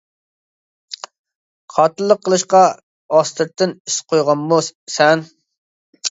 قاتىللىق قىلىشقا ئاستىرتىن ئىس قويغانمۇ سەن.